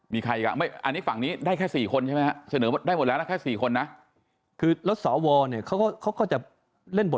มีใครอีกอันนี้ฝั่งนี้ได้แค่๔คนใช่ไหมครับ